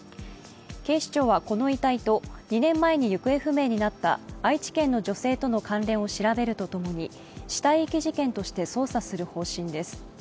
警視庁はこの遺体と２年前に行方不明になった愛知県の女性との関連を調べるとともに死体遺棄事件として捜査する方針です。